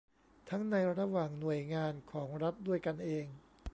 ทั้งในระหว่างหน่วยงานของรัฐด้วยกันเอง